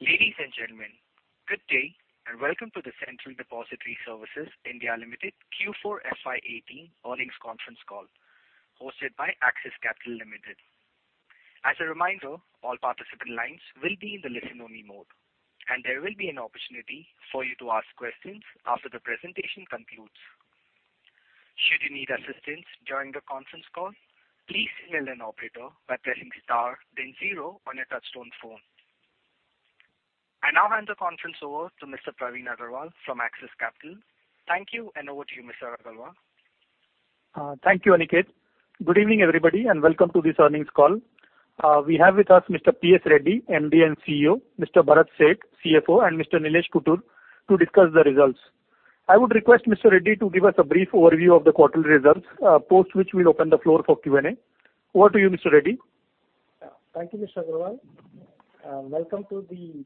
Ladies and gentlemen, good day. Welcome to the Central Depository Services (India) Limited Q4 FY 2018 earnings conference call hosted by Axis Capital Limited. As a reminder, all participant lines will be in the listen-only mode, there will be an opportunity for you to ask questions after the presentation concludes. Should you need assistance during the conference call, please signal an operator by pressing star then zero on your touchtone phone. I now hand the conference over to Mr. Praveen Agarwal from Axis Capital. Thank you. Over to you, Mr. Agarwal. Thank you, Aniket. Good evening, everybody. Welcome to this earnings call. We have with us Mr. P.S. Reddy, MD & CEO, Mr. Bharat Sheth, CFO, and Mr. Nilesh Kittur, to discuss the results. I would request Mr. Reddy to give us a brief overview of the quarterly results, post which we'll open the floor for Q&A. Over to you, Mr. Reddy. Thank you, Mr. Agarwal. Welcome to the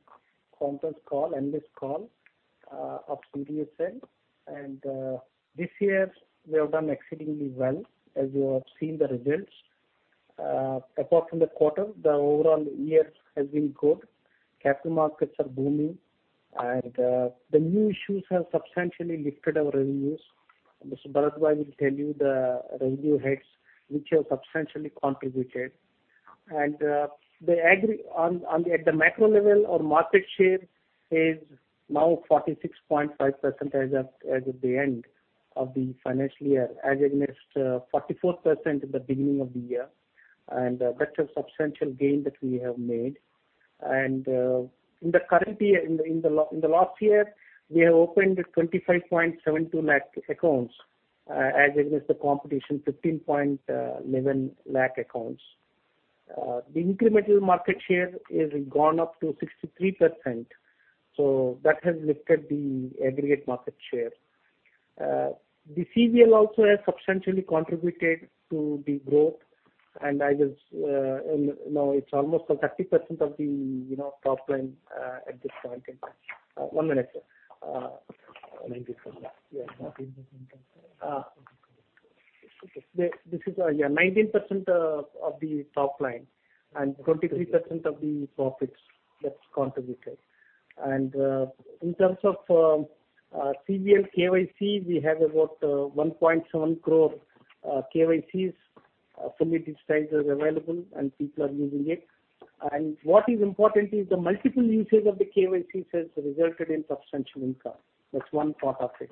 conference call, earnings call of CDSL. This year we have done exceedingly well as you have seen the results. Apart from the quarter, the overall years have been good. Capital markets are booming, the new issues have substantially lifted our revenues. Mr. Bharat will tell you the revenue hikes, which have substantially contributed. At the macro level, our market share is now 46.5% as of the end of the financial year, as against 44% at the beginning of the year. That's a substantial gain that we have made. In the last year, we have opened 25.72 lakh accounts, as against the competition, 15.11 lakh accounts. The incremental market share has gone up to 63%, so that has lifted the aggregate market share. The CVL also has substantially contributed to the growth, now it's almost 30% of the top line, at this point in time. One minute, sir. This is 19% of the top line and 23% of the profits that's contributed. In terms of CVL KYC, we have about 1.7 crore KYCs fully digitized, available, and people are using it. What is important is the multiple usage of the KYCs has resulted in substantial income. That's one part of it.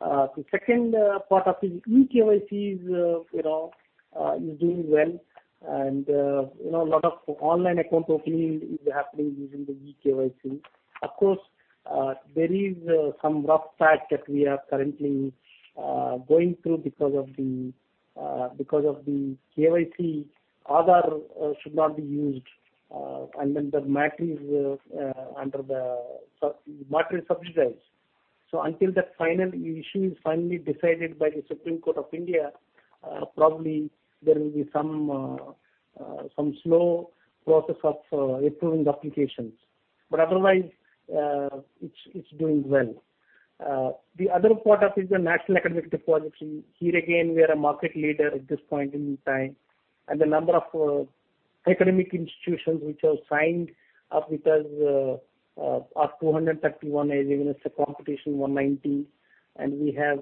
The second part of it, eKYC is doing well. A lot of online account opening is happening using the eKYC. Of course, there is some rough patch that we are currently going through because of the KYC, Aadhaar should not be used, the matter is sub judice. Until that final issue is finally decided by the Supreme Court of India, probably there will be some slow process of approving the applications. Otherwise, it's doing well. The other part of it is the National Academic Depository. Here again, we are a market leader at this point in time, and the number of academic institutions which have signed up with us are 231 as against the competition, 190. We have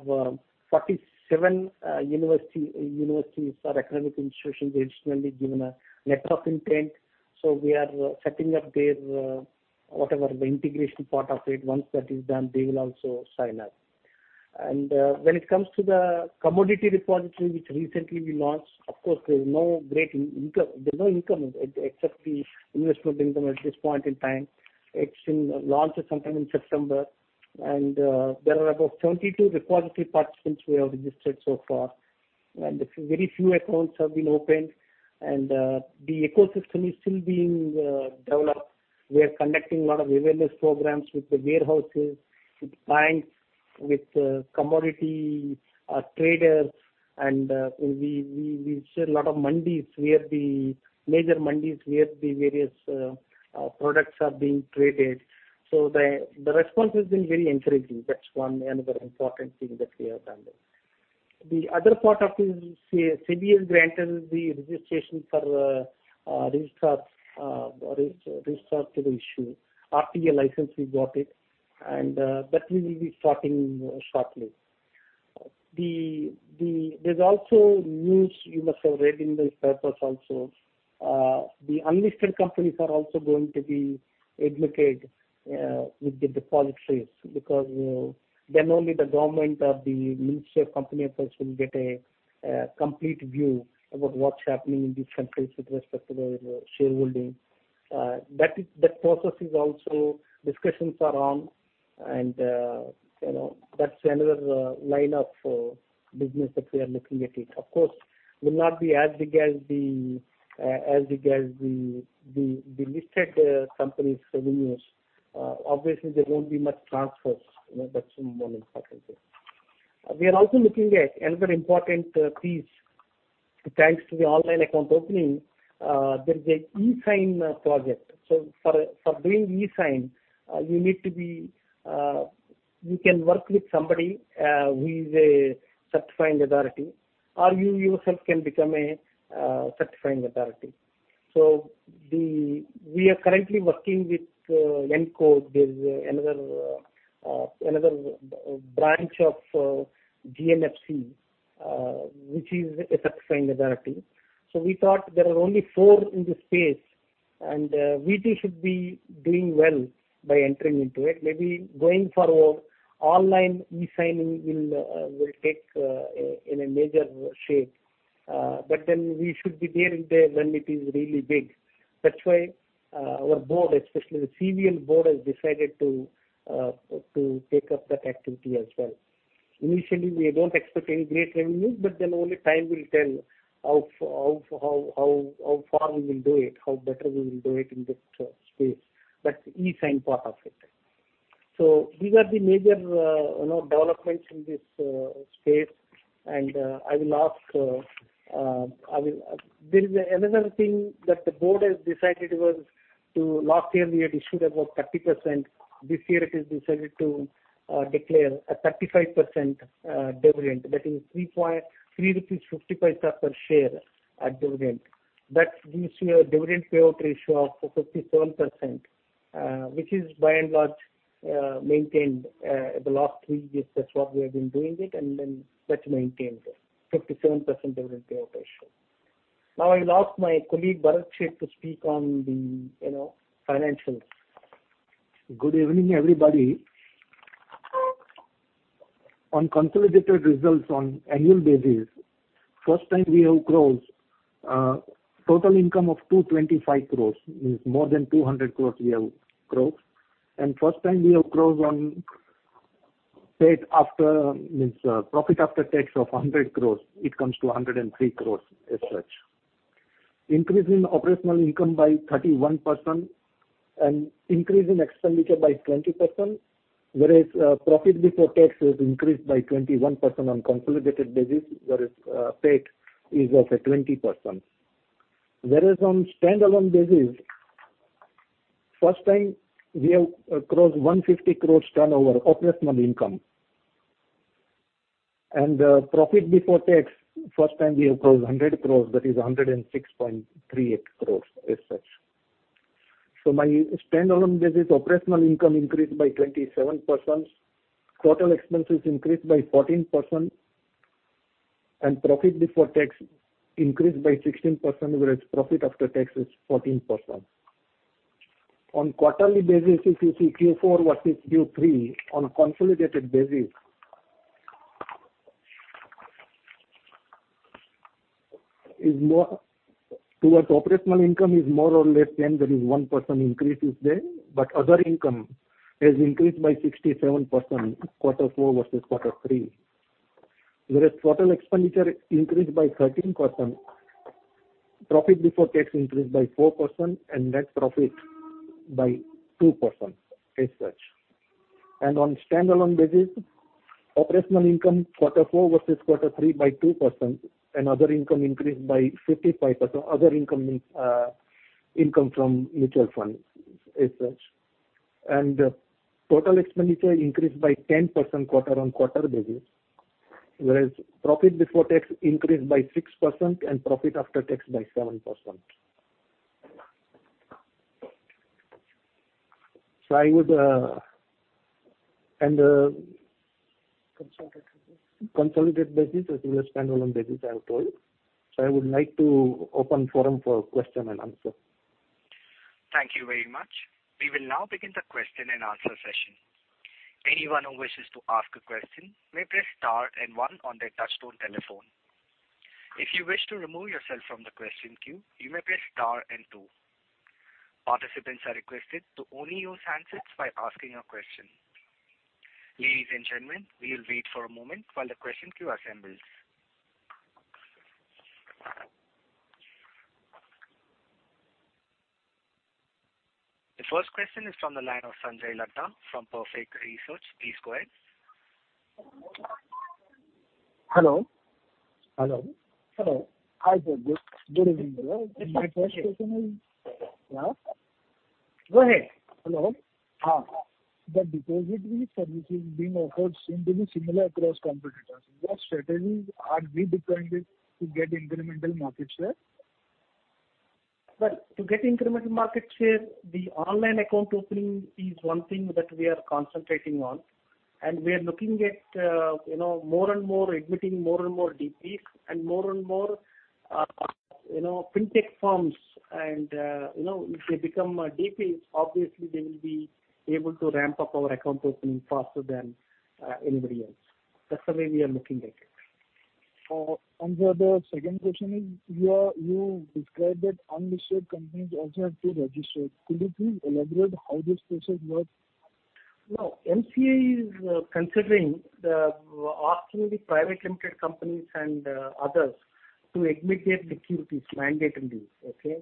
47 universities or academic institutions who have additionally given a letter of intent. We are setting up their, whatever the integration part of it, once that is done, they will also sign up. When it comes to the commodity repository, which recently we launched, of course, there's no income except the investment income at this point in time. It's been launched sometime in September, and there are about 72 repository participants we have registered so far. Very few accounts have been opened, and the ecosystem is still being developed. We are conducting a lot of awareness programs with the warehouses, with banks, with commodity traders, and we see a lot of mandis, major mandis where the various products are being traded. The response has been very encouraging. That's one another important thing that we have done there. The other part of it is SEBI has granted the registration for registrar to the issue. RPA license, we got it, and that we will be starting shortly. There's also news you must have read in the papers also. The unlisted companies are also going to be admitted with the depositories, because then only the government or the Ministry of Corporate Affairs will get a complete view about what's happening in these companies with respect to their shareholding. That process is also, discussions are on, and that's another lineup business that we are looking at it. Of course, will not be as big as the listed companies' revenues. Obviously, there won't be much transfers. That's one important thing. We are also looking at another important piece. Thanks to the online account opening, there is an eSign project. For doing eSign, You can work with somebody who is a certifying authority or you yourself can become a certifying authority. We are currently working with (n)Code Solutions. There's another branch of GNFC which is a certifying authority. We thought there are only four in this space, and we too should be doing well by entering into it. Maybe going forward, online e-signing will take in a major shape. We should be there when it is really big. That's why our board, especially the CVL board, has decided to take up that activity as well. Initially, we don't expect any great revenues, only time will tell how far we will do it, how better we will do it in this space, that e-sign part of it. These are the major developments in this space. There is another thing that the board has decided was to last year we had issued about 30%. This year it is decided to declare a 35% dividend, that is 3.50 rupees per share as dividend. That gives you a dividend payout ratio of 57%, which is by and large maintained the last three years. That's what we have been doing it, and then that maintains it, 57% dividend payout ratio. I'll ask my colleague, Bharat Sheth, to speak on the financials. Good evening, everybody. On consolidated results on annual basis, first time we have crossed total income of 225 crore, means more than 200 crore we have crossed, and first time we have crossed on profit after tax of 100 crore. It comes to 103 crore as such. Increase in operational income by 31% and increase in expenditure by 20%. Profit before tax was increased by 21% on consolidated basis. PAT is of 20%. On standalone basis, first time we have crossed INR 150 crore turnover operational income. Profit before tax, first time we have crossed 100 crore, that is 106.38 crore as such. My standalone basis operational income increased by 27%, total expenses increased by 14%, profit before tax increased by 16%. Profit after tax is 14%. On quarterly basis, if you see Q4 versus Q3 on a consolidated basis towards operational income is more or less same. There is 1% increase is there. Other income has increased by 67% quarter four versus quarter three. Total expenditure increased by 13%, profit before tax increased by 4% and net profit by 2% as such. On standalone basis, operational income quarter four versus quarter three by 2%, other income increased by 55%. Other income means income from mutual funds as such. Total expenditure increased by 10% quarter-on-quarter basis. Profit before tax increased by 6% and profit after tax by 7%. Consolidated basis as well as standalone basis I have told. I would like to open forum for question and answer. Thank you very much. We will now begin the question and answer session. Anyone who wishes to ask a question may press star and one on their touchtone telephone. If you wish to remove yourself from the question queue, you may press star and two. Participants are requested to only use handsets while asking a question. Ladies and gentlemen, we will wait for a moment while the question queue assembles. The first question is from the line of Sanjay Latta from Perfect Research. Please go ahead. Hello. Hello. Hello. Hi, good evening to you all. My first question is- Go ahead. Hello. Ha. The depository services being offered seem to be similar across competitors. What strategies are we deploying to get incremental market share? Well, to get incremental market share, the online account opening is one thing that we are concentrating on, and we are looking at more and more admitting more and more DPs and more and more FinTech firms. If they become DPs, obviously they will be able to ramp up our account opening faster than anybody else. That's the way we are looking at it. Sir, the second question is, you described that unlisted companies also have to register. Could you please elaborate how this process works? MCA is considering asking the private limited companies and others to admit their DPs mandating these. Okay.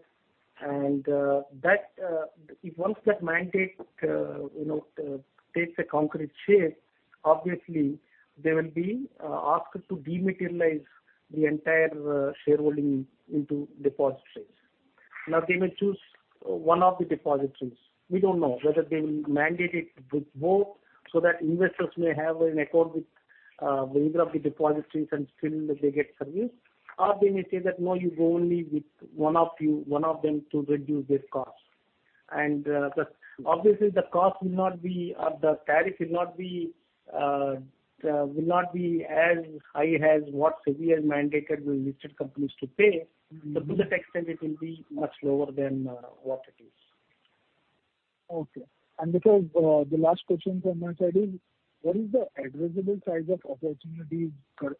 Once that mandate takes a concrete shape, obviously they will be asked to dematerialize the entire shareholding into deposit shares. Now they may choose one of the depositories. We don't know whether they will mandate it with both so that investors may have an accord with either of the depositories and still they get service. They may say that, "No, you go only with one of them to reduce this cost." Obviously, the cost will not be, or the tariff will not be as high as what SEBI has mandated the listed companies to pay. To that extent, it will be much lower than what it is. Okay. Because the last question from my side is, what is the addressable size of opportunities at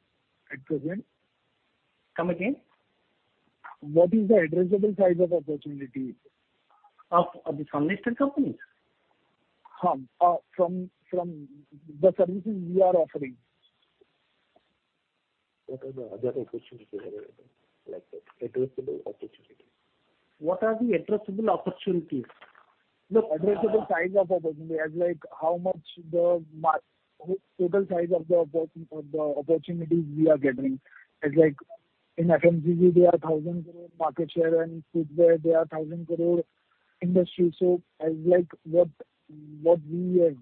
present? Come again. What is the addressable size of opportunities? Of the unlisted companies? From the services you are offering. What are the other opportunities available, like addressable opportunities? What are the addressable opportunities? Addressable size of opportunity as like how much the total size of the opportunities we are getting is like in FMCG, they are 1,000 crore market share and food, where they are 1,000 crore industry. as like what we earn.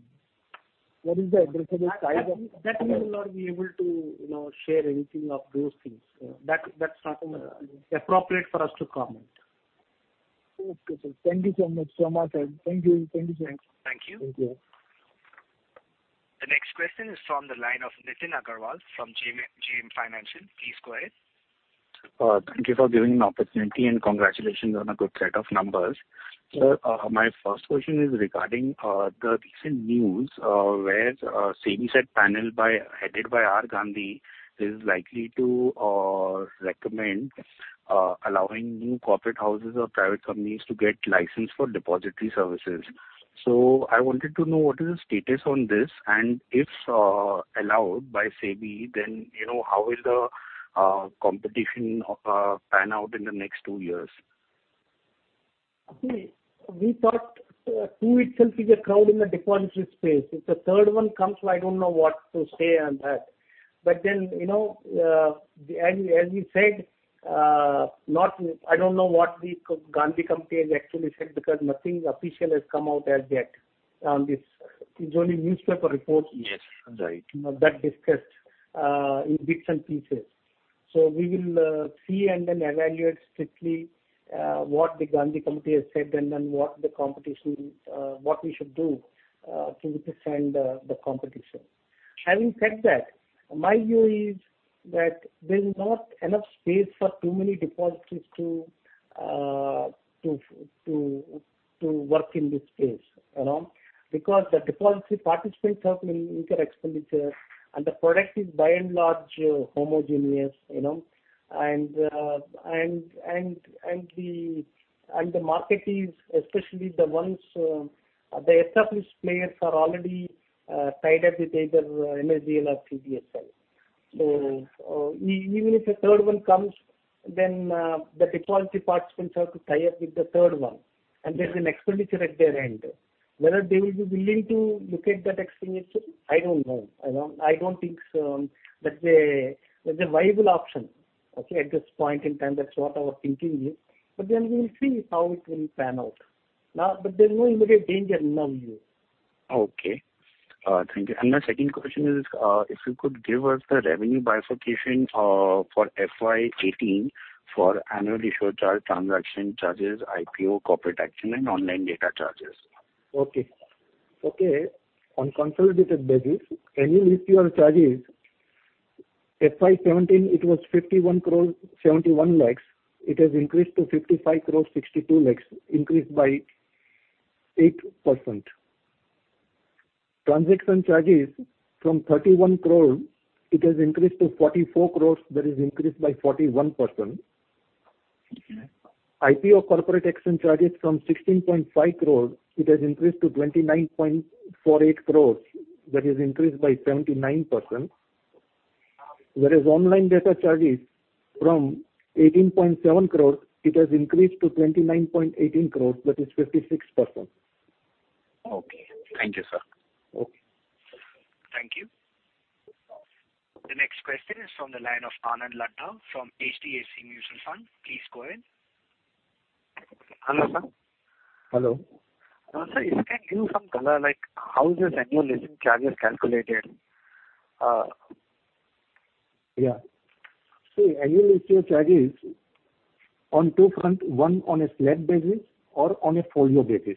That we will not be able to share anything of those things. That's not appropriate for us to comment. Okay, sir. Thank you so much. Thank you. Thank you. Thank you. The next question is from the line of Nitin Aggarwal from JM Financial. Please go ahead. Thank you for giving an opportunity, and congratulations on a good set of numbers. Sir, my first question is regarding the recent news where SEBI set panel headed by R. Gandhi is likely to recommend allowing new corporate houses or private companies to get license for depository services. I wanted to know what is the status on this, and if allowed by SEBI, how will the competition pan out in the next two years? See, we thought two itself is a crowd in the depository space. If the third one comes, I don't know what to say on that. As you said, I don't know what the Gandhi Committee actually said because nothing official has come out as yet on this. It's only newspaper reports. Yes, right. that discussed in bits and pieces. We will see and evaluate strictly what the Gandhi Committee has said and what we should do to withstand the competition. Having said that, my view is that there's not enough space for too many depositories to work in this space. Because the depository participants have an inter expenditure and the product is by and large homogeneous. The market is, especially the ones, the established players are already tied up with either NSDL or CDSL. Even if a third one comes, the depository participants have to tie up with the third one, and there's an expenditure at their end. Whether they will be willing to look at that expenditure, I don't know. I don't think that's a viable option, okay, at this point in time. That's what our thinking is. We will see how it will pan out. There's no immediate danger in our view. Okay. Thank you. My second question is, if you could give us the revenue bifurcation for FY 2018 for annual issuer charge, transaction charges, IPO, corporate action, and online data charges. Okay. On consolidated basis, annual issuer charges, FY 2017, it was 51.71 crores. It has increased to 55.62 crores, increased by 8%. Transaction charges from 31 crores, it has increased to 44 crores, that is increased by 41%. Okay. IPO corporate action charges from 16.5 crores, it has increased to 29.48 crores, that is increased by 79%. Online data charges from 18.7 crores, it has increased to 29.18 crores, that is 56%. Okay. Thank you, sir. Okay. Thank you. The next question is from the line of Anand Laddha from HDFC Mutual Fund. Please go ahead. Hello, sir. Hello. Sir, if you can give some color, like how is this annual listing charges calculated? Yeah. Annual issue charges on 2 front, one on a slab basis or on a folio basis.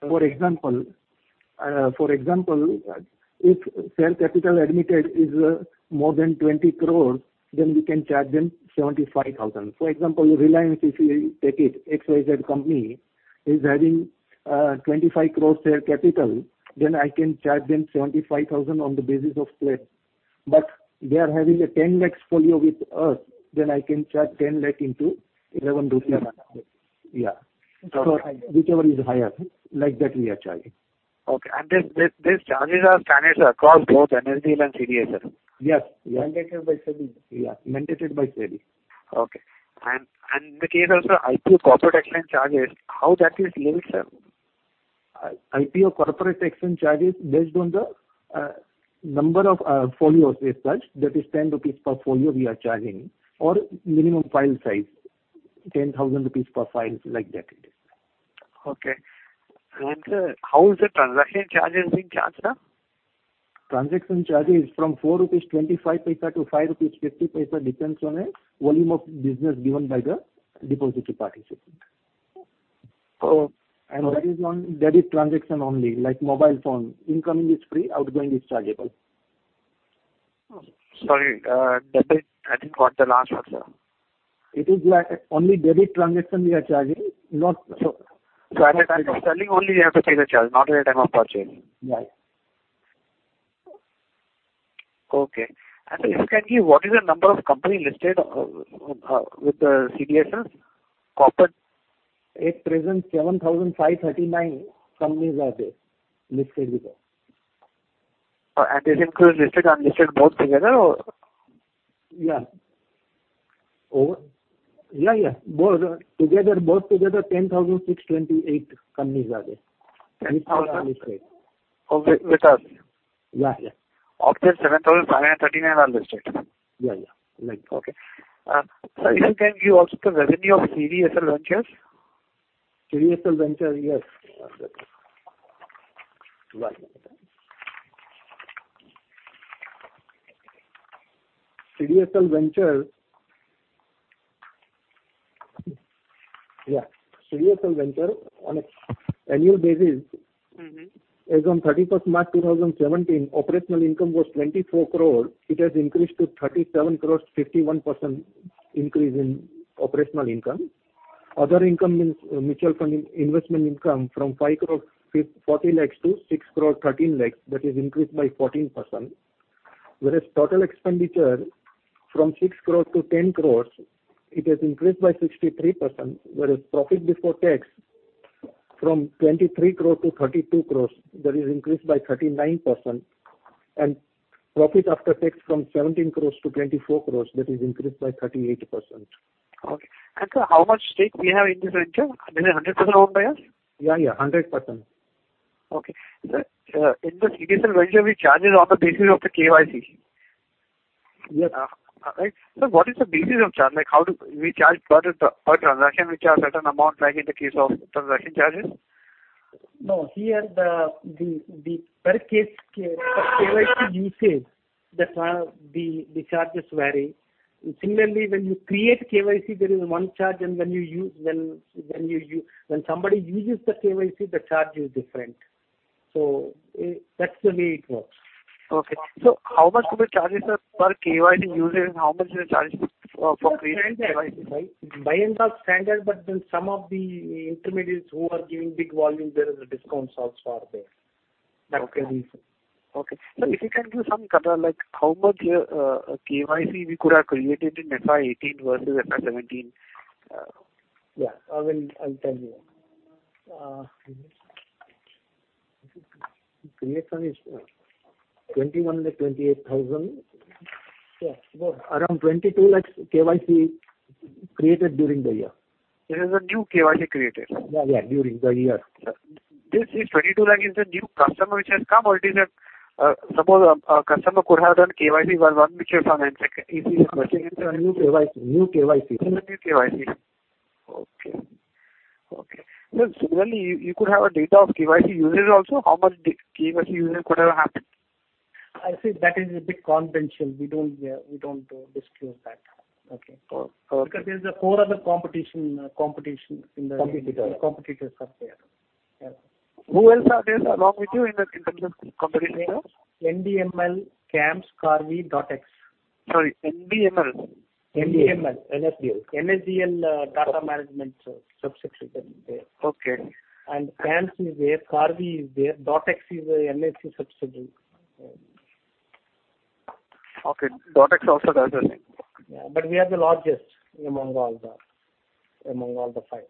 For example, if share capital admitted is more than 20 crore, then we can charge them 75,000. For example, Reliance, if you take it, XYZ company is having 25 crore share capital, then I can charge them 75,000 on the basis of slab. They are having a 10 lakh folio with us, then I can charge 10 lakh into 11 rupees. Whichever is higher, like that we are charging. Okay. These charges are standard across both NSDL and CDSL? Yes. Mandated by SEBI. Okay. In the case of IPO corporate action charges, how that is levied, sir? IPO corporate action charges based on the number of folios as such, that is 10 rupees per folio we are charging, or minimum file size 10,000 rupees per file, like that it is. Sir, how is the transaction charges being charged, sir? Transaction charge is from 4.25 rupees to 5.50 rupees, depends on volume of business given by the depository participants. Okay. That is transaction only, like mobile phone, incoming is free, outgoing is chargeable. Sorry, I didn't get the last one, sir. It is like only debit transaction we are charging. At the time of selling only we have to pay the charge, not at the time of purchasing. Right. Okay. Sir, if you can give, what is the number of company listed with the CDSL? Corporate. At present, 7,539 companies are there, listed with us. It includes listed, unlisted, both together or? Yeah. All? Yeah. Both together, 10,628 companies are there. 10,000? Which are listed. With us? Yeah. Of this 7,539 are listed. Yeah. Okay. Sir, if you can give also the revenue of CDSL Ventures. CDSL Ventures, yes. One minute. CDSL Ventures. CDSL Venture on a annual basis. As on 31st March 2017, operational income was 24 crores. It has increased to 37 crores, 51% increase in operational income. Other income means mutual fund investment income from 5 crore 40 lakhs to 6 crore 13 lakhs, that is increased by 14%. Whereas total expenditure from 6 crores to 10 crores, it has increased by 63%, whereas profit before tax from 23 crore to 32 crores, that is increased by 39%. Profit after tax from 17 crores to 24 crores, that is increased by 38%. Okay. Sir, how much stake we have in this venture? I mean, 100% owned by us? 100%. Okay. Sir, in the CDSL Ventures, we charges on the basis of the KYC. Yeah. Right? Sir, what is the basis of charge? Like, we charge per transaction, we charge certain amount like in the case of transaction charges? Here per case, per KYC usage, the charges vary. Similarly, when you create KYC, there is one charge, and when somebody uses the KYC, the charge is different. That's the way it works. Okay. How much do we charge, sir, per KYC usage and how much do we charge for creation of KYC? By and large standard, some of the intermediaries who are giving big volume, there is a discount also are there. Okay. That can be said. Okay. Sir, if you can give some data, like how much KYC we could have created in FY 2018 versus FY 2017? Yeah. I'll tell you. Creation is 2,128,000. Yeah. Around 22 lakhs KYC created during the year. It is a new KYC created. Yeah, during the year. This 22 lakh is a new customer which has come or it is a, suppose a customer could have done KYC for one mutual fund and second, is it considered into a new KYC? New KYC. New KYC. Okay. Sir, similarly, you could have a data of KYC users also, how much KYC users could have happened? I think that is a bit confidential. We don't disclose that. Okay, cool. Because there's a four other competition. Competitors competitors are there. Yeah. Who else are there along with you in the competition? NDML, CAMS, Karvy, DotEx. Sorry, NSDL? NDML. NSDL. NSDL Database Management subsidiary is there. Okay. CAMS is there, Karvy is there, DotEx is a NSDL subsidiary. Okay. DotEx also does the same. Yeah. We are the largest among all the five.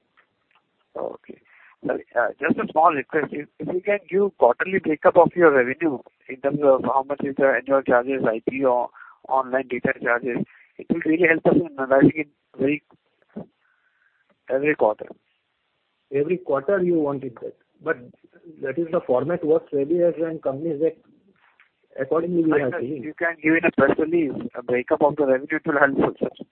Okay. Sir, just a small request. If you can give quarterly breakup of your revenue in terms of how much is the annual charges, IPO, online data charges, it will really help us in analyzing every quarter. Every quarter you want it that. That is the format what SEBI has and companies accordingly we are giving. You can give it especially a breakup of the revenue, it will help us, sir.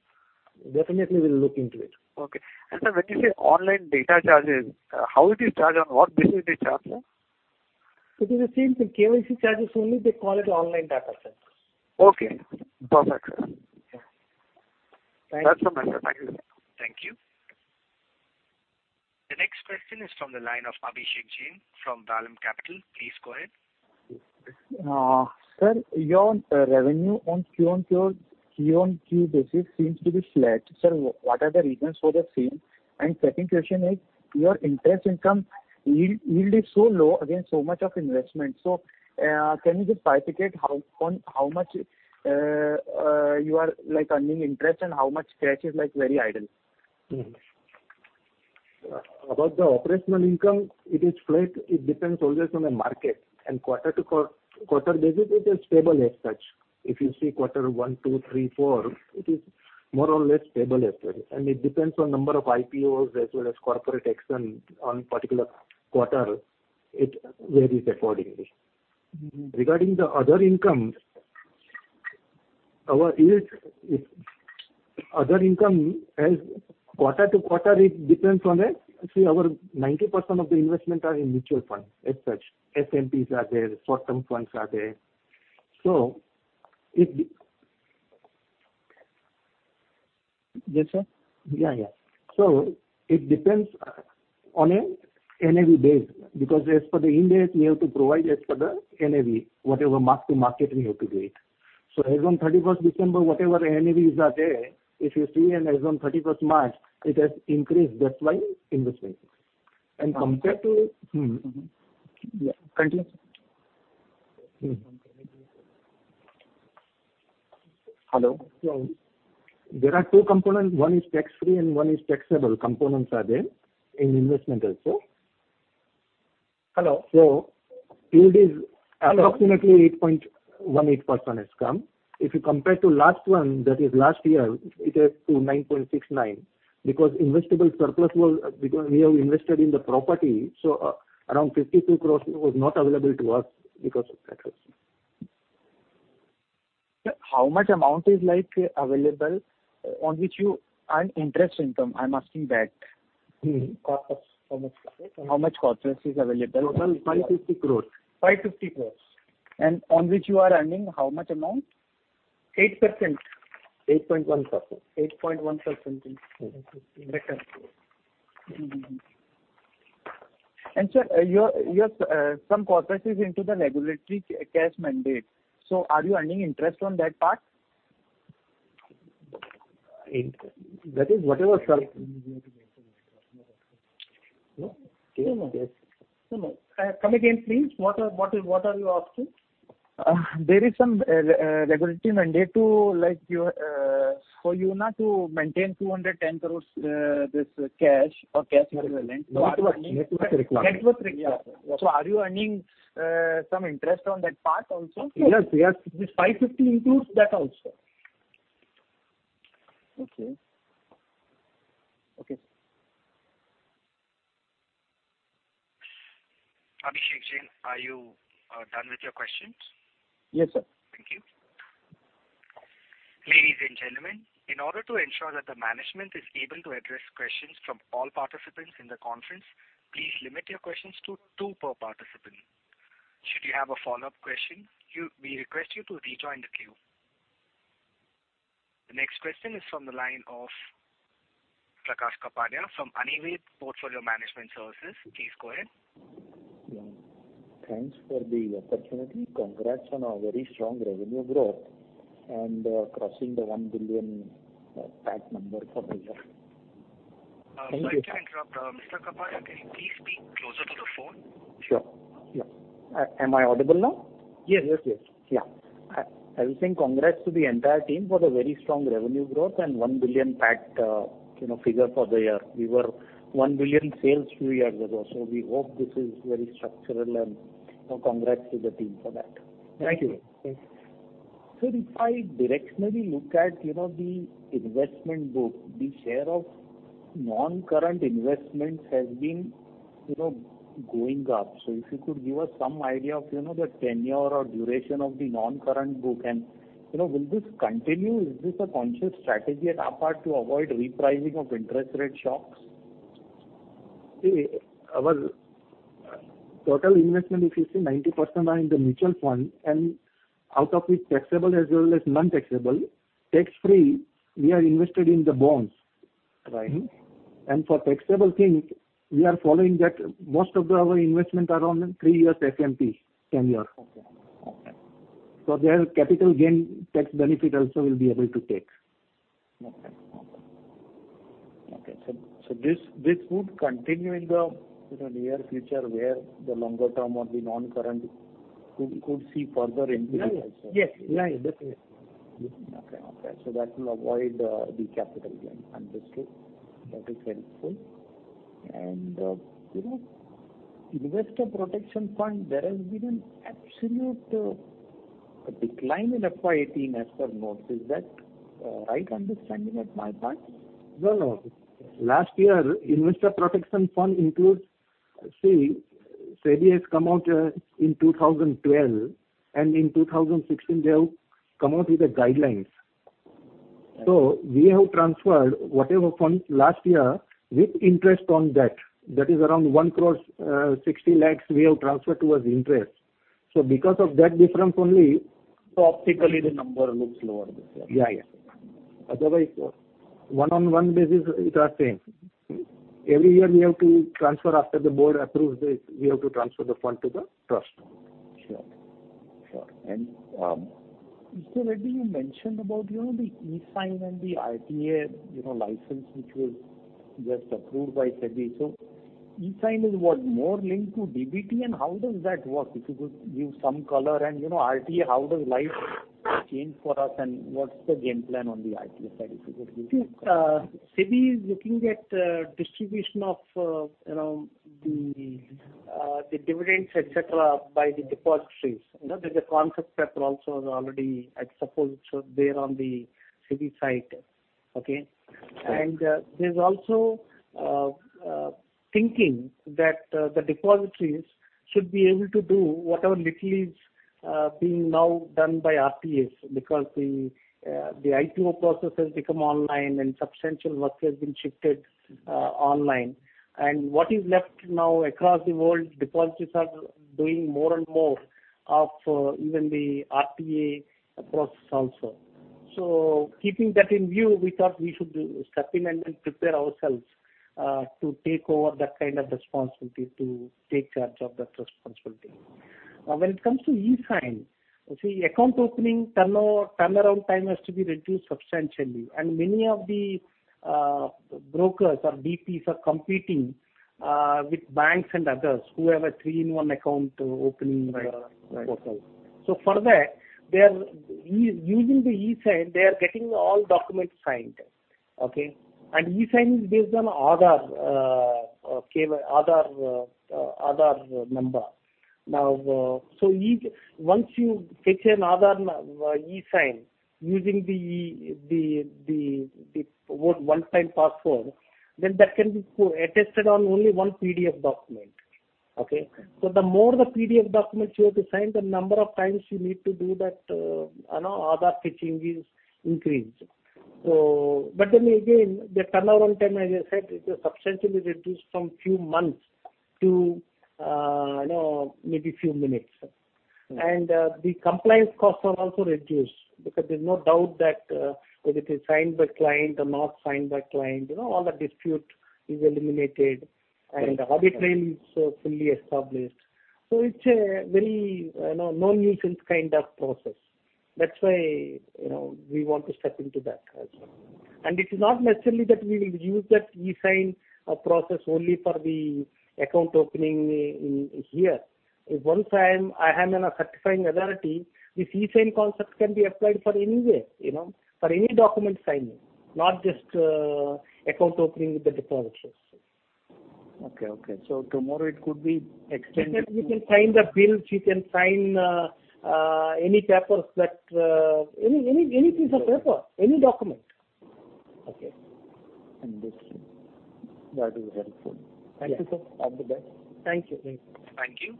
Definitely, we'll look into it. Okay. Sir, when you say online data charges, how it is charged? On what basis they charge, sir? It is the same thing, KYC charges only, they call it online data, sir. Okay. DotEx. Yeah. Thank you. That is from my end, sir. Thank you so much. Thank you. The next question is from the line of Abhishek Jain from Vallum Capital. Please go ahead. Sir, your revenue on Q on Q basis seems to be flat. Sir, what are the reasons for the same? Second question is, your interest income yield is so low against so much of investment. Can you just bifurcate how much you are earning interest and how much cash is very idle? About the operational income, it is flat. It depends always on the market and quarter-basis it is stable as such. If you see quarter one, two, three, four, it is more or less stable as such. It depends on number of IPOs as well as corporate action on particular quarter, it varies accordingly. Regarding the other income, our other income has quarter-to-quarter, it depends on that. Our 90% of the investment are in mutual funds as such. SMPs are there, short-term funds are there. Yes, sir. It depends on a NAV basis, because as per the index, we have to provide as per the NAV, whatever mark-to-market we have to do it. As on 31st December, whatever NAVs are there, if you see as on 31st March, it has increased, that's why investment. Continue. Hello. There are two components. One is tax-free and one is taxable components are there in investment also. Hello. So yield is- Hello Approximately 8.18% has come. If you compare to last one, that is last year, it has to 9.69% because investable surplus was, because we have invested in the property, around 52 crores was not available to us because of that reason. How much amount is available on which you earn interest income? I'm asking that. Corpus, how much corpus? How much corpus is available? Total 550 crores. 550 crores. On which you are earning how much amount? 8%. 8.1%. 8.1% return. Sir, some corpus is into the regulatory cash mandate. Are you earning interest on that part? That is whatever. Yes. Come again, please. What are you asking? There is some regulatory mandate for you now to maintain 210 crore this cash or cash equivalent. Net worth requirement. Net worth requirement. Are you earning some interest on that part also? Yes. This 550 includes that also. Okay. Abhishek Jain, are you done with your questions? Yes, sir. Thank you. Ladies and gentlemen, in order to ensure that the management is able to address questions from all participants in the conference, please limit your questions to two per participant. Should you have a follow-up question, we request you to rejoin the queue. The next question is from the line of Prakash Kapadia from Anived Portfolio Management Services. Please go ahead. Thanks for the opportunity. Congrats on a very strong revenue growth and crossing the 1 billion PAT number for the year. Thank you. Sorry to interrupt. Mr. Kapadia, can you please speak closer to the phone? Sure. Am I audible now? Yes. Yeah. I will say congrats to the entire team for the very strong revenue growth and 1 billion PAT figure for the year. We were 1 billion sales two years ago, so we hope this is very structural and congrats to the team for that. Thank you. If I directionally look at the investment book, the share of non-current investments has been going up. If you could give us some idea of the tenure or duration of the non-current book, and will this continue? Is this a conscious strategy at our part to avoid repricing of interest rate shocks? Our total investment, if you see 90% are in the mutual fund, and out of it taxable as well as non-taxable. Tax-free, we are invested in the bonds. Right. For taxable thing, we are following that most of our investment are on three years FMP tenure. Okay. There, capital gain tax benefit also we'll be able to take. Okay. This would continue in the near future where the longer term or the non-current could see further increase also? Yes. Definitely. Okay. That will avoid the capital gain. Understood. That is helpful. Investor protection fund, there has been an absolute decline in FY 2018 as per notes. Is that a right understanding at my part? Well, last year, investor protection fund SEBI has come out in 2012, and in 2016 they have come out with the guidelines. We have transferred whatever funds last year with interest on that. That is around 1.6 crore we have transferred towards interest. Because of that difference only. Optically the number looks lower this year. Yeah. Otherwise- One-on-one basis it are same. Every year we have to transfer after the Board approves this, we have to transfer the fund to the trust. Sure. Mr. Reddy, you mentioned about the eSign and the RTA license, which was just approved by SEBI. eSign is what? More linked to DBT? How does that work? If you could give some color and RTA, how does life change for us and what's the game plan on the RTA side, if you could give? SEBI is looking at distribution of around the dividends, et cetera, by the depositories. There's a concept paper also already, I suppose, it's there on the SEBI site. Okay? There's also thinking that the depositories should be able to do whatever little is being now done by RTAs, because the RTA process has become online and substantial work has been shifted online. What is left now across the world, depositories are doing more and more of even the RTA process also. Keeping that in view, we thought we should step in and then prepare ourselves to take over that kind of responsibility, to take charge of that responsibility. It comes to eSign, you see, account opening turnaround time has to be reduced substantially, and many of the brokers or DPs are competing with banks and others who have a three-in-one account opening portal. Right. For that, using the eSign, they are getting all documents signed. Okay. eSign is based on Aadhaar number. Once you fetch an Aadhaar eSign using the one-time password, then that can be attested on only one PDF document. Okay. The more the PDF documents you have to sign, the number of times you need to do that Aadhaar fetching is increased. Then again, the turnaround time, as I said, it is substantially reduced from few months to maybe few minutes. Right. The compliance costs are also reduced because there's no doubt that whether it is signed by client or not signed by client, all the dispute is eliminated. Right Hobby claim is fully established. It's a very no nuisance kind of process. That's why we want to step into that as well. It is not necessarily that we will use that eSign process only for the account opening here. Once I am in a certifying authority, this eSign concept can be applied for anywhere. For any document signing, not just account opening with the depositories. Okay. Tomorrow it could be extended. You can sign the bills, you can sign any piece of paper, any document. Okay. That is helpful. Thank you, sir. All the best. Thank you. Thank you.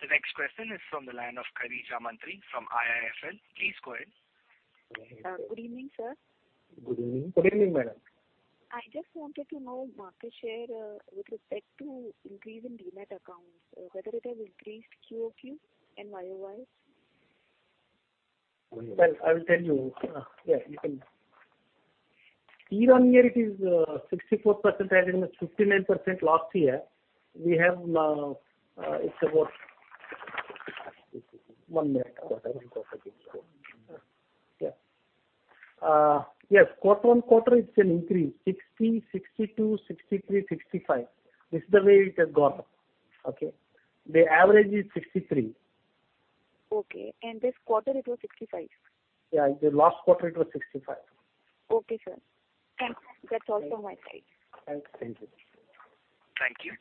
The next question is from the line of Khareej Amantri from IIFL. Please go ahead. Good evening, sir. Good evening. Good evening, madam. I just wanted to know market share with respect to increase in Demat accounts, whether it has increased QOQ and YOY. Well, I will tell you. Yeah, you can. Year-on-year it is 64% as against 59% last year. We have now, it's about one minute quarter Sure. Yeah. Yes, quarter-on-quarter it's an increase. 60, 62, 63, 65. This is the way it has gone up. Okay? The average is 63. Okay. This quarter it was 65%. Yeah. The last quarter it was 65%. Okay, sir. Thanks. That's all from my side. Thanks. Thank you. Thank you.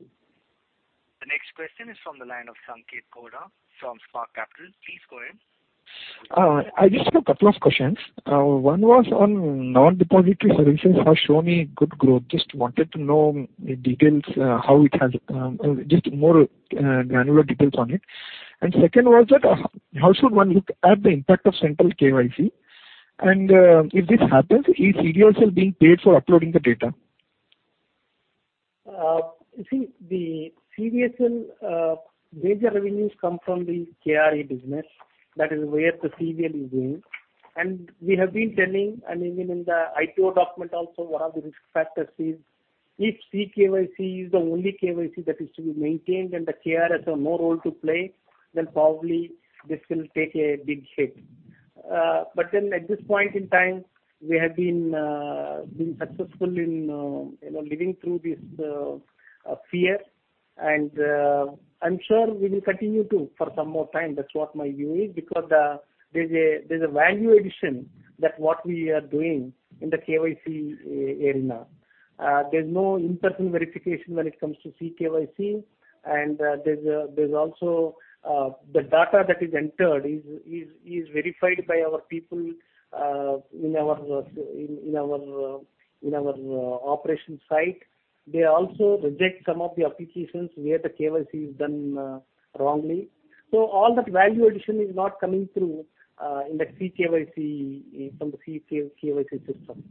The next question is from the line of Sanketh Godha from Spark Capital. Please go ahead. I just have a couple of questions. One was on non-depository services has shown me good growth. Just wanted to know the details, just more granular details on it. Second was that, how should one look at the impact of Central KYC? If this happens, is CDSL being paid for uploading the data? You see, the CDSL major revenues come from the CRA business. That is where the CVL is being. We have been telling, and even in the IPO document also, one of the risk factors is if CKYC is the only KYC that is to be maintained and the CRA has no role to play, then probably this will take a big hit. At this point in time, we have been successful in living through this fear, and I'm sure we will continue to for some more time. That's what my view is, because there's a value addition that what we are doing in the KYC arena. There's no in-person verification when it comes to CKYC. There's also the data that is entered is verified by our people in our operation site. They also reject some of the applications where the KYC is done wrongly. All that value addition is not coming through from the CKYC system.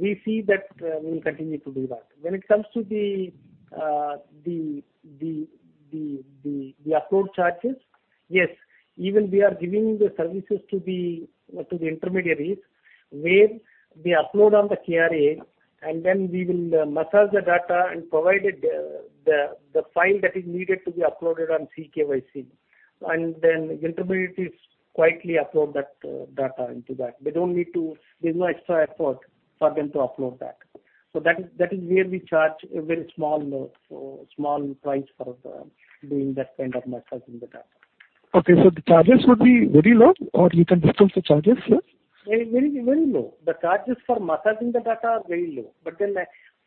We see that we will continue to do that. When it comes to the upload charges, yes. Even we are giving the services to the intermediaries where they upload on the CRA, then we will massage the data and provide the file that is needed to be uploaded on CKYC, and the intermediaries quietly upload that data into that. There is no extra effort for them to upload that. That is where we charge a very small price for doing that kind of massaging the data. Okay, the charges would be very low, or you can disclose the charges here? Very low. The charges for massaging the data are very low.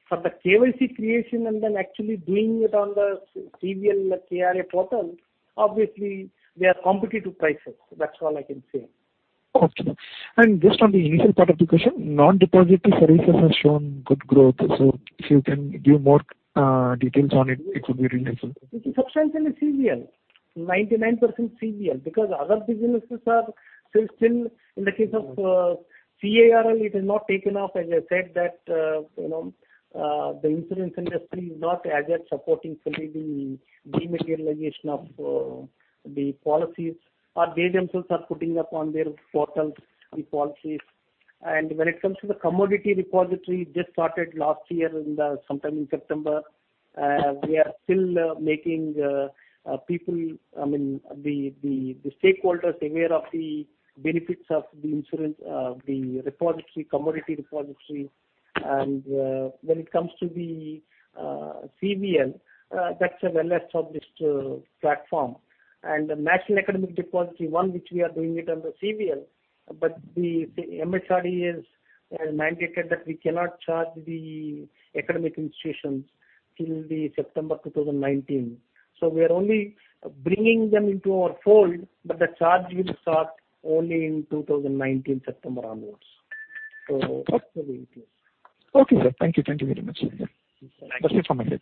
For the KYC creation and then actually doing it on the CVL CRA portal, obviously they are competitive prices. That is all I can say. Okay. Just on the initial part of the question, non-deposit services have shown good growth. If you can give more details on it would be really helpful. It is substantially CVL. 99% CVL, Other businesses are still. In the case of CIRL, it has not taken off. As I said that the insurance industry is not as yet supporting fully the dematerialization of the policies, or they themselves are putting up on their portals the policies. When it comes to the commodity repository, this started last year sometime in September. We are still making the stakeholders aware of the benefits of the commodity repository. When it comes to the CVL, that's a well-established platform. The National Academic Depository, one which we are doing it under CVL, but the MHRD has mandated that we cannot charge the academic institutions till September 2019. We are only bringing them into our fold, but the charge will start only in September 2019 onwards. Okay. Thank you very much. Thank you. That's it from my end.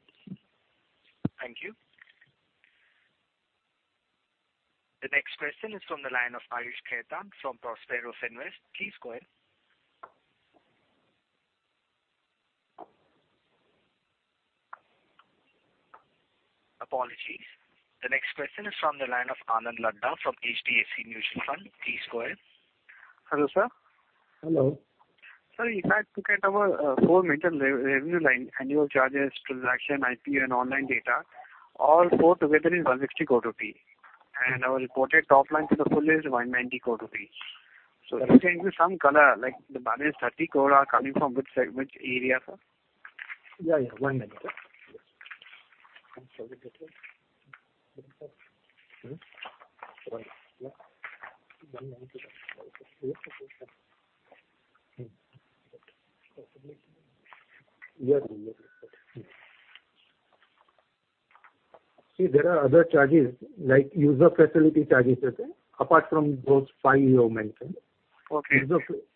Thank you. The next question is from the line of Ayush Khaitan from Prosperous Invest. Please go ahead. Apologies. The next question is from the line of Anand Laddha from HDFC Mutual Fund. Please go ahead. Hello, sir. Hello. Sir, if I look at our four major revenue line, annual charges, transaction, IP, and online data, all four together is 160 crore rupee. Our reported top line for the full year is 190 crore rupee. Can you give some color, like the balance 30 crore are coming from which area, sir? Yeah. One minute. See, there are other charges like user facility charges are there, apart from those five you have mentioned. Okay.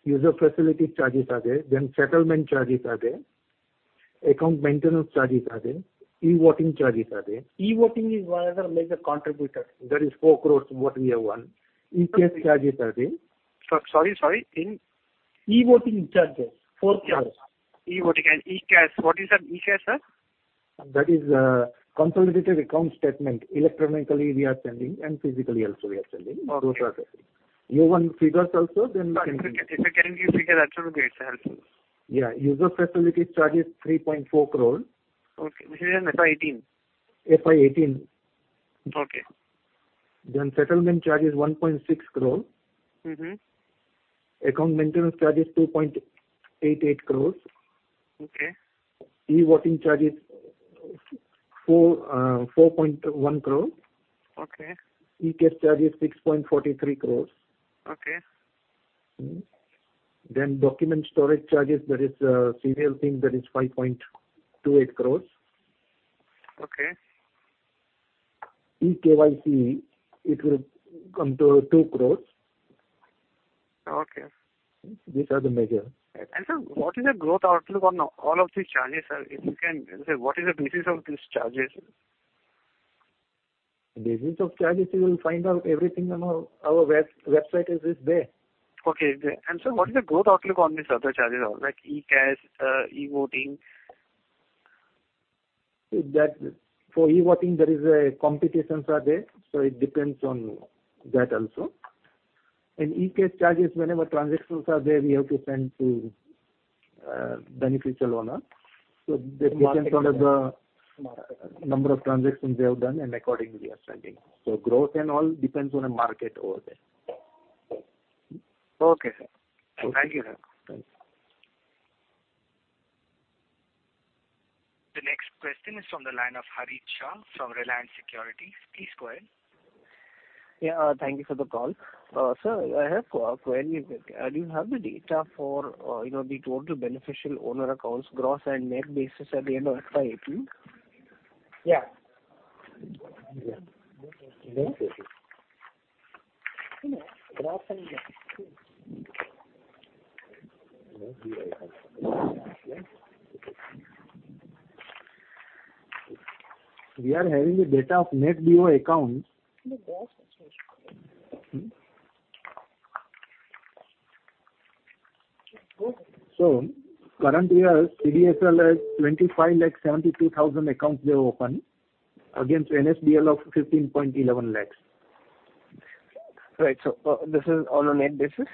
User facility charges are there, then settlement charges are there, account maintenance charges are there, e-Voting charges are there. e-Voting is one of the major contributor. That is 4 crores what we have earned. ECAS charges are there. Sorry. In? e-Voting charges, 4 crores. e-Voting and ECAS. What is an ECAS, sir? That is a consolidated account statement. Electronically we are sending, physically also we are sending. Okay. Two processes. You want figures also? I can give you. If you can give figure, that also will be helpful. Yeah. User facilities charge is 3.4 crore. Okay. This is in FY18? FY18. Okay. Settlement charge is 1.6 crore. Account maintenance charge is 2.88 crore. Okay. E-voting charge is 4.1 crore. Okay. ECAS charge is 6.43 crores. Okay. Document storage charges, that is a CVL thing, that is 5.28 crores. Okay. e-KYC, it will come to 2 crores. Okay. These are the major. Sir, what is the growth outlook on all of these charges? What is the basis of these charges? Basis of charges, you will find out everything on our website. It is there. Okay. Sir, what is the growth outlook on these other charges, like ECAS, e-Voting? For e-Voting, there is a competition, so it depends on that also. In ECAS charges, whenever transactions are there, we have to send to beneficial owner. This depends on the number of transactions we have done, and accordingly we are sending. Growth and all depends on the market over there. Okay, sir. Thank you, sir. Thanks. The next question is from the line of Harit Shah from Reliance Securities. Please go ahead. Yeah. Thank you for the call. Sir, I have a query. Do you have the data for the total beneficial owner accounts, gross and net basis at the end of FY 2018? Yeah. We are having the data of net BO accounts. No, gross. Current year, CDSL has 25 lakh 72,000 accounts they have opened against NSDL of 15.11 lakh. Right. This is on a net basis?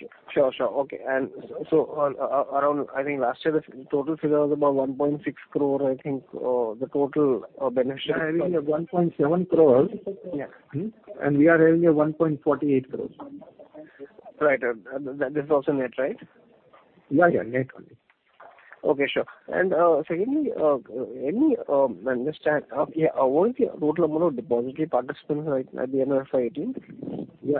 Yes, on a net basis. Yes, these are net basis. Sure. Okay. Around, I think last year, the total figure was about 1.6 crore, I think, the total. Yeah, I think it was 1.7 crore. Yeah. We are having a 1.48 crores. Right. That is also net, right? Yeah. Net only. Okay, sure. Secondly, what is the total number of depository participants at the end of FY 2018? Yeah.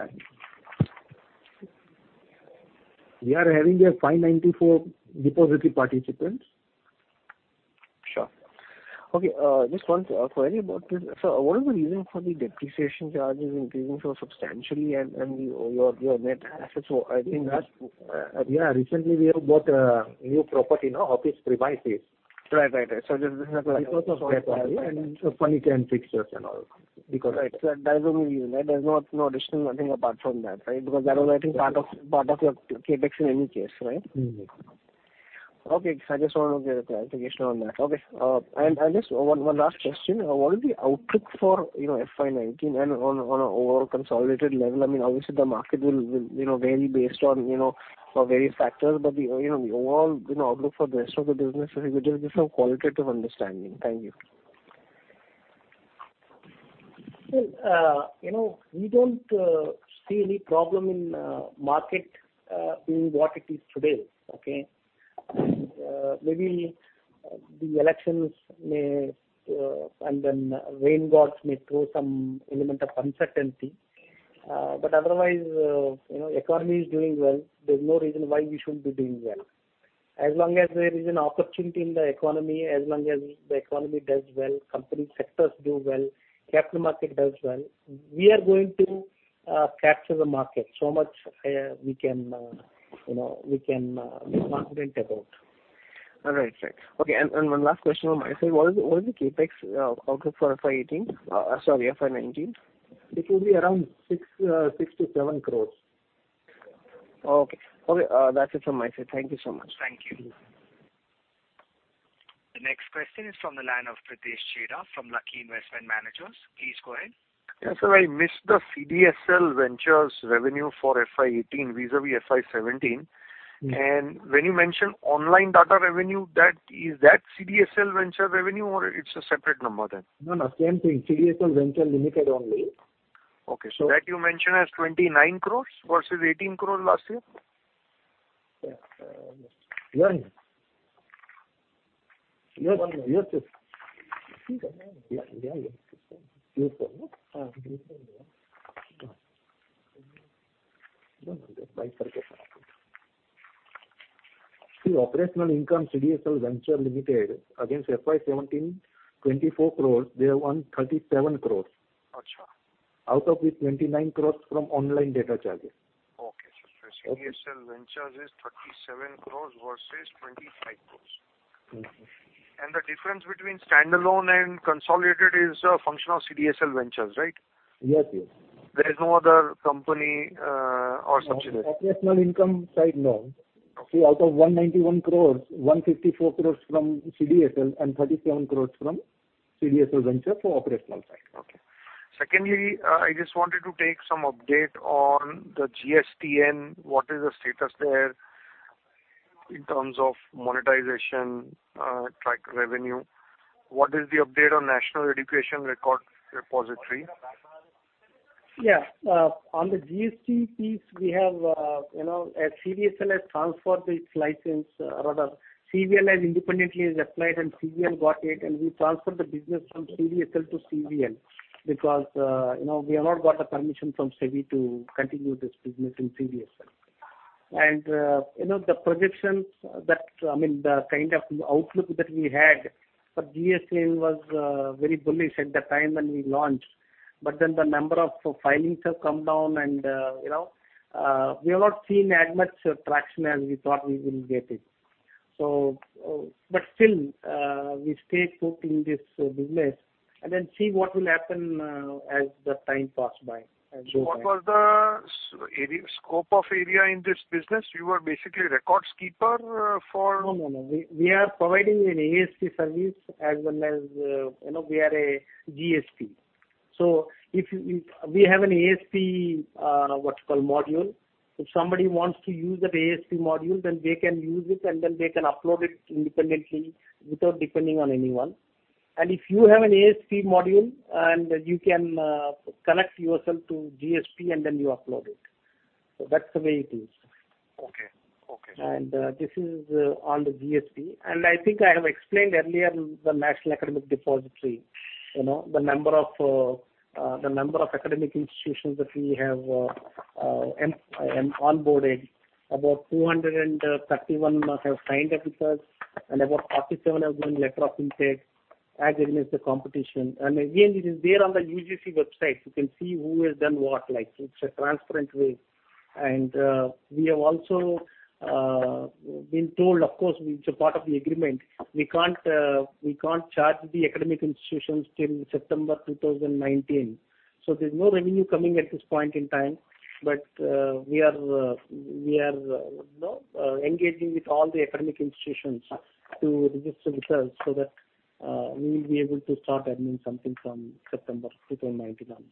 We are having a 594 depository participants. Sure. Okay, just one query about this. Sir, what is the reason for the depreciation charges increasing so substantially and your net assets? Recently we have bought a new property office premises. Right. This is a and furniture and fixtures and all. Right. That is the only reason, right? There's no additional nothing apart from that, right? That was, I think, part of your CapEx in any case, right? Okay. I just wanted a clarification on that. Okay. Just one last question. What is the outlook for FY 2019 on an overall consolidated level? Obviously the market will vary based on various factors, but the overall outlook for the rest of the business, if you could just give some qualitative understanding. Thank you. We don't see any problem in market being what it is today. Okay. Maybe the elections and then rain gods may throw some element of uncertainty. Otherwise, economy is doing well. There's no reason why we shouldn't be doing well. As long as there is an opportunity in the economy, as long as the economy does well, company sectors do well, capital market does well, we are going to capture the market. So much we can be confident about. All right. Okay, one last question on my side. What is the CapEx outlook for FY 2018? Sorry, FY 2019? It will be around 6 crore-7 crore. Okay. That's it from my side. Thank you so much. Thank you. The next question is from the line of Pritesh Chheda from Lucky Investment Managers. Please go ahead. Yes, sir, I missed the CDSL Ventures revenue for FY 2018 vis-à-vis FY 2017. When you mentioned online data revenue, is that CDSL Venture revenue or it's a separate number then? No, same thing. CDSL Ventures Limited only. Okay, that you mentioned as 29 crores versus 18 crores last year? Yes. Operational income CDSL Ventures Limited against FY17, 24 crores, they have won 37 crores. Achha. Out of the 29 crores from online data charges. Okay, sir. CDSL Ventures is 37 crore versus 25 crores. The difference between standalone and consolidated is a function of CDSL Ventures, right? Yes. There is no other company or subsidiary. Operational income side, no. Out of 191 crore, 154 crore from CDSL and 37 crore from CDSL Venture for operational side. Okay. Secondly, I just wanted to take some update on the GSTN. What is the status there in terms of monetization, track revenue? What is the update on National Academic Depository? Yes. On the GST piece, as CDSL has transferred its license, rather CVL has independently applied and CVL got it, and we transferred the business from CDSL to CVL because we have not got the permission from SEBI to continue this business in CDSL. The projections, the kind of outlook that we had for GSTN was very bullish at the time when we launched. The number of filings have come down, and we have not seen as much traction as we thought we will get it. Still, we stay put in this business and then see what will happen as the time pass by. What was the scope of area in this business? You are basically records keeper for- No. We are providing an ASP service as well as we are a GST. We have an ASP module. If somebody wants to use that ASP module, they can use it, and then they can upload it independently without depending on anyone. If you have an ASP module, and you can connect yourself to GST, and then you upload it. That's the way it is. Okay. This is on the GST. I think I have explained earlier the National Academic Depository. The number of academic institutions that we have onboarded, about 231 have signed up with us, and about 47 have been letter of intent as against the competition. Again, it is there on the UGC website. You can see who has done what. It's a transparent way. We have also been told, of course, it's a part of the agreement, we can't charge the academic institutions till September 2019. There's no revenue coming at this point in time. We are engaging with all the academic institutions to register with us so that we will be able to start earning something from September 2019 onwards.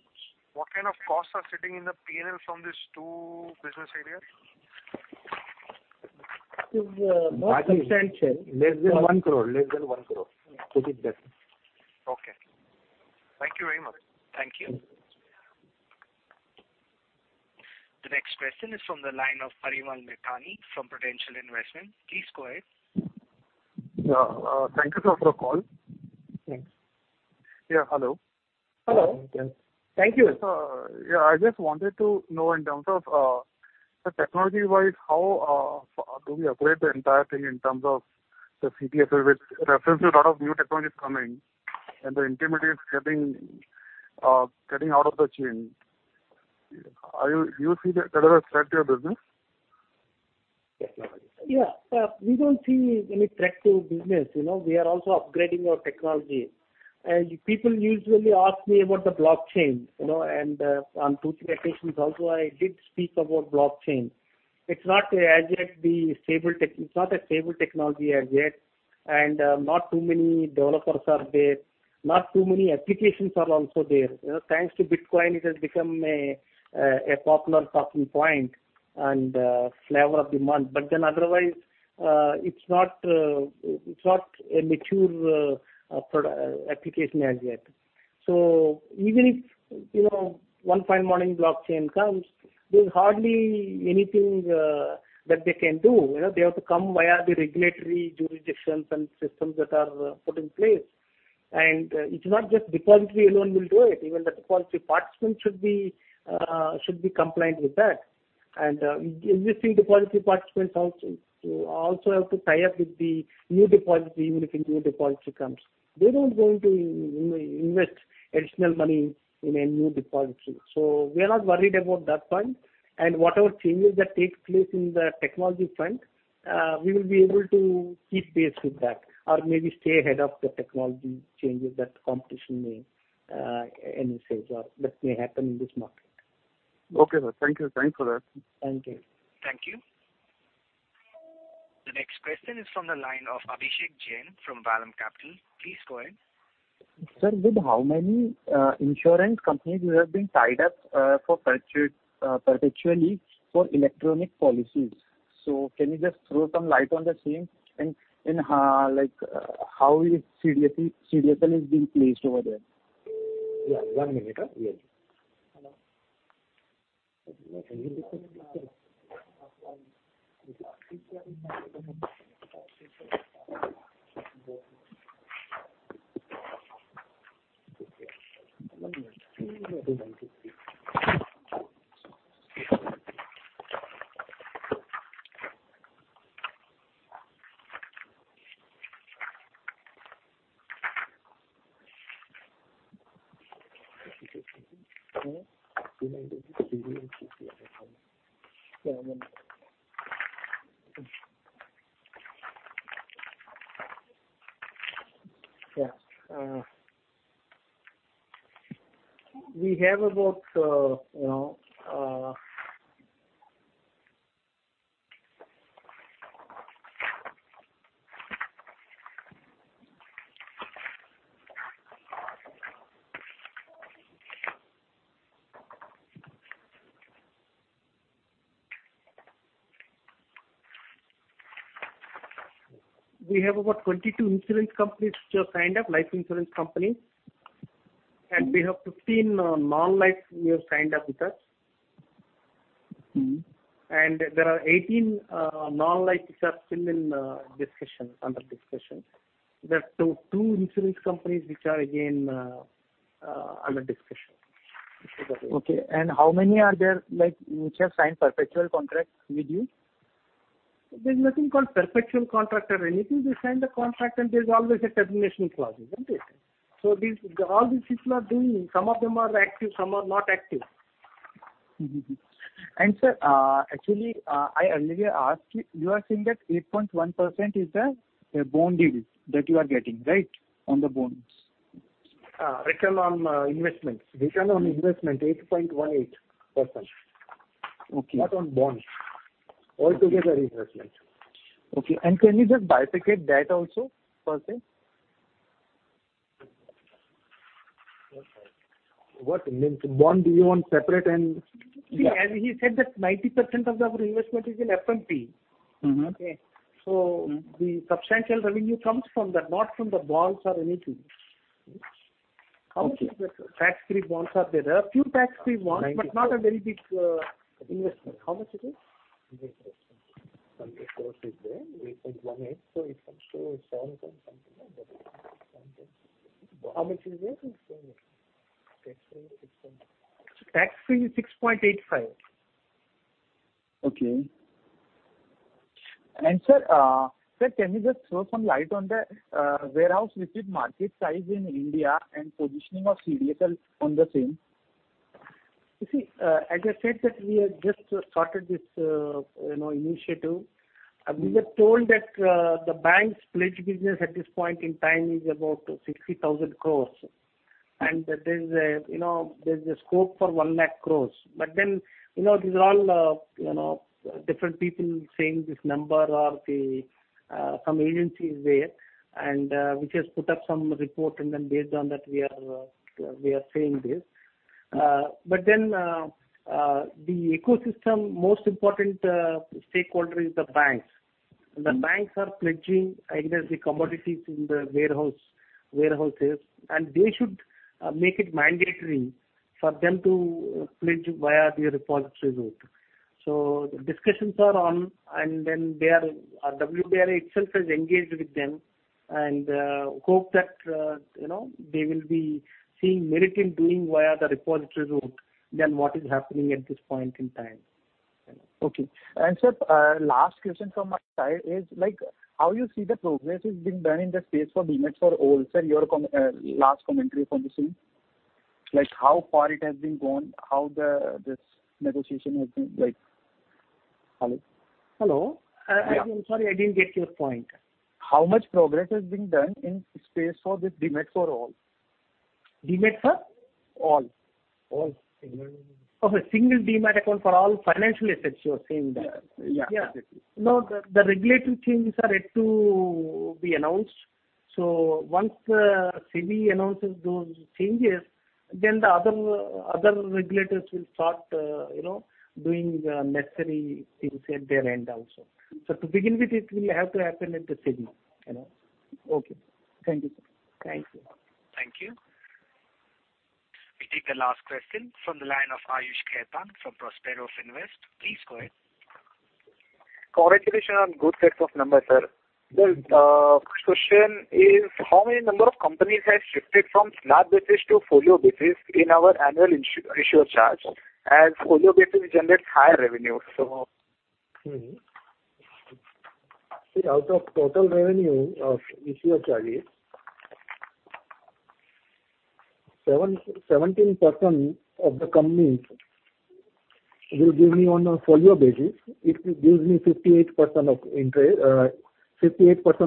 What kind of costs are sitting in the P&L from these two business areas? It is not substantial. Less than one crore. Okay. Thank you very much. Thank you. The next question is from the line of Harimal Methani from Potential Investment. Please go ahead. Yeah. Thank you for the call. Thanks. Yeah. Hello. Hello. Thank you. I just wanted to know in terms of the technology wise, how do we upgrade the entire thing in terms of the CDSL with reference to lot of new technologies coming and the intermediaries getting out of the chain. Do you see that as a threat to your business? Technology. We don't see any threat to business. We are also upgrading our technology. People usually ask me about the blockchain, on two, three occasions also, I did speak about blockchain. It's not a stable technology as yet and not too many developers are there, not too many applications are also there. Thanks to Bitcoin, it has become a popular talking point and flavor of the month. Otherwise, it's not a mature application as yet. Even if one fine morning blockchain comes, there's hardly anything that they can do. They have to come via the regulatory jurisdictions and systems that are put in place. It's not just depository alone will do it. Even the depository participants should be compliant with that. Existing depository participants also have to tie up with the new depository unit if a new depository comes. They don't going to invest additional money in a new depository. We are not worried about that front. Whatever changes that takes place in the technology front, we will be able to keep pace with that or maybe stay ahead of the technology changes that the competition may enforce or that may happen in this market. Okay, sir. Thank you. Thanks for that. Thank you. Thank you. The next question is from the line of Abhishek Jain from Vallum Capital. Please go ahead. Sir, with how many insurance companies you have been tied up perpetually for electronic policies. Can you just throw some light on the same and how CDSL is being placed over there? Yeah. One minute. Hello. We have about 22 insurance companies which have signed up, life insurance companies, and we have 15 non-life who have signed up with us. There are 18 non-life which are still under discussion. There are two insurance companies which are again under discussion. Okay. How many are there, which have signed perpetual contracts with you? There's nothing called perpetual contract or anything. They sign the contract. There's always a termination clause, isn't it? All these people are doing, some of them are active, some are not active. Mm-hmm. Sir, actually, I earlier asked you are saying that 8.1% is the bond yield that you are getting, right? On the bonds. Return on investment 8.18%. Okay. Not on bond. Altogether investment. Okay. Can you just bifurcate that also, %? What, you mean bond do you want separate? As he said that 90% of our investment is in FMP. Okay. The substantial revenue comes from that, not from the bonds or anything. How much is it? Tax-free bonds are there. Few tax-free bonds, not a very big investment. How much it is? Investment. Some eight point something is there. 8.18. It comes to seven point something or whatever. How much is it? Tax-free is six point Tax-free is 6.85. Okay. Sir, can you just throw some light on the warehouse receipt market size in India and positioning of CDSL on the same? You see, as I said that we have just started this initiative. We were told that the bank's pledge business at this point in time is about 60,000 crore and there's a scope for 1 lakh crore. These are all different people saying this number or some agency is there and which has put up some report and then based on that we are saying this. The ecosystem most important stakeholder is the banks. The banks are pledging either the commodities in the warehouses, and they should make it mandatory for them to pledge via the repository route. The discussions are on, WDRA itself is engaged with them, and hope that they will be seeing merit in doing via the repository route than what is happening at this point in time. Okay. Sir, last question from my side is, how you see the progress is being done in the space for Demat for all, sir, your last commentary from the same. How far it has been gone? How this negotiation has been like? Hello? Hello. Yeah. I'm sorry, I didn't get your point. How much progress has been done in space for this Demat for all? Demat, sir? All. All. Okay, single Demat account for all financial assets, you're saying? Yeah, exactly. The regulatory changes are yet to be announced. Once SEBI announces those changes, the other regulators will start doing the necessary things at their end also. To begin with, it will have to happen at the signal. Okay. Thank you, sir. Thank you. Thank you. We take the last question from the line of Ayush Khaitan from Prosperous Invest. Please go ahead. Congratulations on good set of numbers, sir. The question is, how many number of companies has shifted from slab basis to folio basis in our annual issuer charge? As folio basis generates higher revenue. Out of total revenue of issuer charges, 17% of the companies will give me on a folio basis. It gives me 58%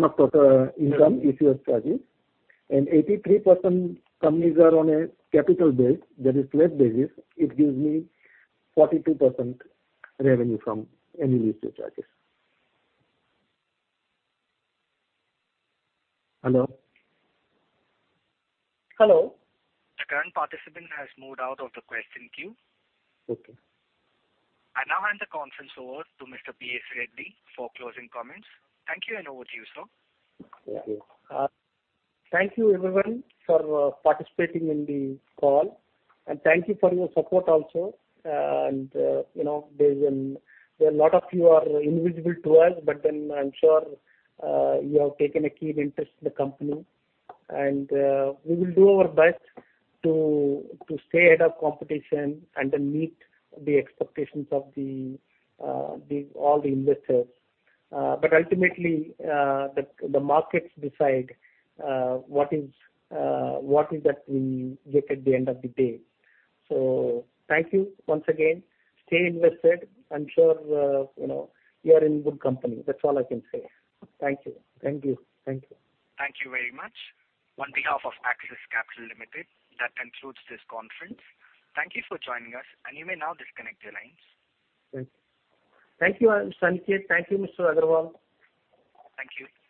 of total income issuer charges, and 83% companies are on a capital base, that is flat basis. It gives me 42% revenue from any issuer charges. Hello? Hello. The current participant has moved out of the question queue. Okay. I now hand the conference over to Mr. P.S. Reddy for closing comments. Thank you and over to you, sir. Thank you. Thank you everyone for participating in the call, thank you for your support also. There are a lot of you are invisible to us, I'm sure you have taken a keen interest in the company. We will do our best to stay ahead of competition and then meet the expectations of all the investors. Ultimately, the markets decide what is that we get at the end of the day. Thank you once again. Stay invested. I'm sure you are in good company. That's all I can say. Thank you. Thank you. Thank you. Thank you very much. On behalf of Axis Capital Limited, that concludes this conference. Thank you for joining us, and you may now disconnect your lines. Thank you, Sanketh. Thank you, Mr. Agarwal. Thank you